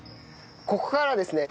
ここからはですね